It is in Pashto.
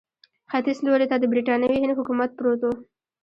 ختیځ لوري ته د برټانوي هند حکومت پروت وو.